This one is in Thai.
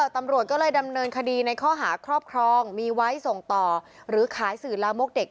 ตำรวจก็เลยดำเนินคดีในข้อหาครอบครองมีไว้ส่งต่อหรือขายสื่อลามกเด็ก